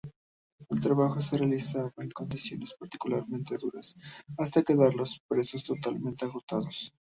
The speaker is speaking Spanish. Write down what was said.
El trabajo se realizaba en condiciones particularmente duras, hasta quedar los presos totalmente agotados.